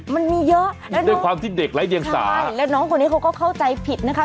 มันมีเยอะแล้วน้องใช่แล้วน้องคนนี้เขาก็เข้าใจผิดนะคะ